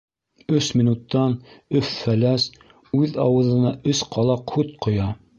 Өс минуттан Өф-Фәләс үҙ ауыҙына өс ҡалаҡ һут ҡоя!